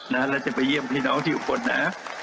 นะเค้าถึงจะไปเยี่ยมพี่น้องที่อุบันนะ